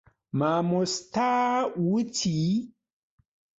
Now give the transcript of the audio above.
مامۆستا وتی.